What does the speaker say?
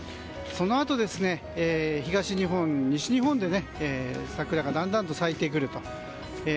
そのあと東日本、西日本で桜がだんだんと咲いてくると。